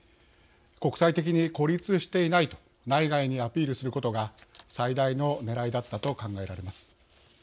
国際的に孤立していないと内外にアピールすることが最大のねらいだったと考えられます。